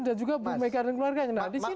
dan juga bumek dan keluarganya nah disini